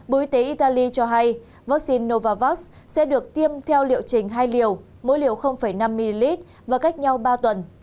bộ y tế italy cho hay vaccine novavax sẽ được tiêm theo liệu trình hai liều mỗi liều năm ml và cách nhau ba tuần